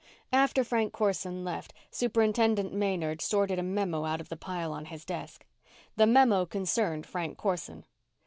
After Frank Corson left, Superintendent Maynard sorted a memo out of the pile on his desk. The memo concerned Frank Corson.